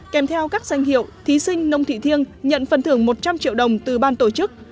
kèm theo các danh hiệu thí sinh nông thị thiêng nhận phần thưởng một trăm linh triệu đồng từ ban tổ chức